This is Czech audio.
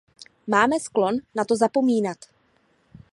Máme sklon na to zapomínat.